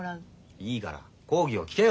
いいから講義を聞けよ！